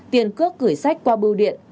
tiền cước gửi sách qua bưu điện